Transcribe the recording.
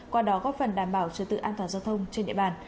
qua đó góp phần đảm bảo trật tự an toàn giao thông trên địa bàn